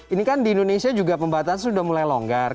ini kan di indonesia juga pembatasan sudah mulai longgar